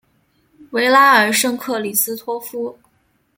维拉尔圣克里斯托夫。